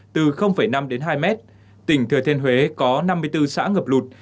tỉnh thừa thiên huế có năm mươi bốn xã ngập lụt